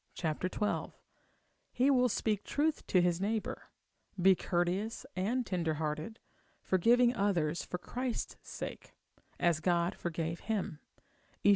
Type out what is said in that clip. xii; he will speak truth to his neighbour, be courteous and tender hearted, forgiving others for Christ's sake, as God forgave him, Eph.